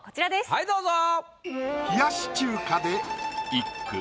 はいどうぞ。